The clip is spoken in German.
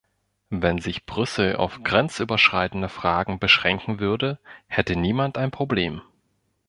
Wenn sich Brüssel auf grenzüberschreitende Fragen beschränken würde, hätte niemand ein Problem.